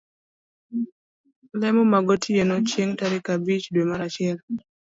lemo magotiene chieng' tarik abich dwe mar achiel.